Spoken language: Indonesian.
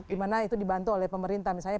dimana itu dibantu oleh pemerintah misalnya